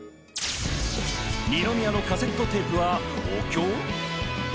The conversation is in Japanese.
二宮のカセットテープはお経？